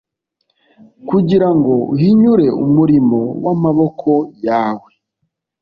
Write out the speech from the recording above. kugira ngo uhinyure umurimo w’amaboko yawe,